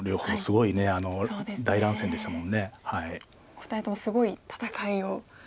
お二人ともすごい戦いを。